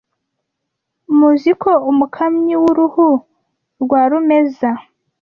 Muzi ko umukamyi w’urume rwa Rumeza